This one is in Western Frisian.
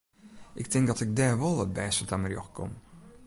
Ik tink dat ik dêr wol it bêste ta myn rjocht kom.